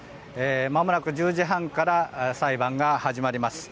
まもなく１０時半から裁判が始まります。